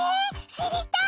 知りたい！